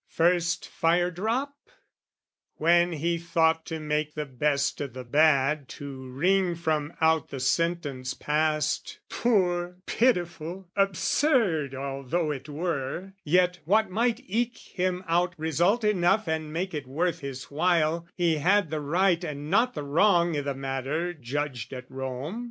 First fire drop, when he thought to make the best O' the bad, to wring from out the sentence passed, Poor, pitiful, absurd although it were, Yet what might eke him out result enough And make it worth his while he had the right And not the wrong i' the matter judged at Rome.